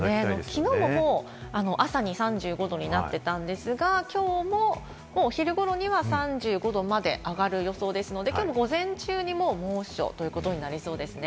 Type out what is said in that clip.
きのうも朝に３５度になってたんですが、きょうもお昼頃には３５度まで上がる予想ですので、きょうの午前中にもう猛暑ということになりそうです。